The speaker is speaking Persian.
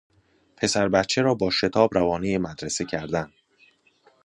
پسر بچه را با شتاب روانهی مدرسه کردن